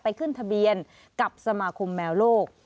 ขึ้นทะเบียนกับสมาคมแมวโลก